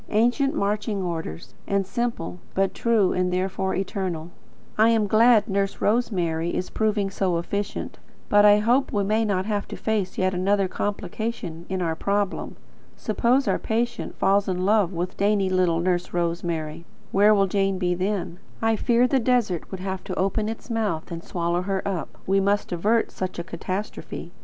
Ancient marching orders, and simple; but true, and therefore eternal. I am glad Nurse Rosemary is proving so efficient, but I hope we may not have to face yet another complication in our problem. Suppose our patient falls in love with dainty little Nurse Rosemary, where will Jane be then? I fear the desert would have to open its mouth and swallow her up. We must avert such a catastrophe.